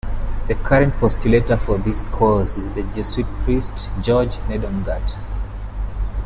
The current postulator for this cause is the Jesuit priest George Nedungatt.